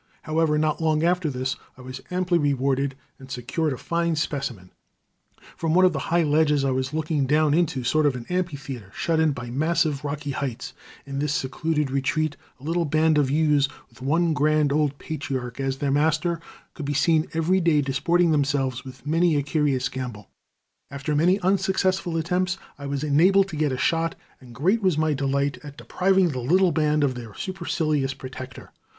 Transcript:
However, not long after this I was amply rewarded, and secured a fine specimen. From one of the high ledges I was looking down into a sort of amphitheater shut in by massive rocky heights. In this secluded retreat a little band of ewes, with one grand old patriarch as their master, could be seen every day disporting themselves with many a curious gambol. After many unsuccessful attempts, I was enabled to get a shot, and great was my delight at depriving the little band of their supercilious protector.